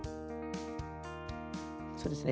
そうですね